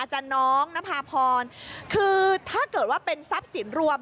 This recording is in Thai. จนนนพาพรถ้าเกิดว่าเป็นทรัพย์สินรวม